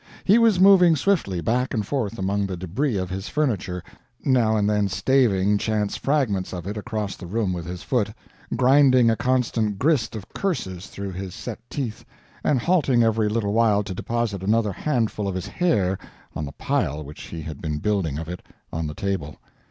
He was moving swiftly back and forth among the debris of his furniture, now and then staving chance fragments of it across the room with his foot; grinding a constant grist of curses through his set teeth; and halting every little while to deposit another handful of his hair on the pile which he had been building of it on the table.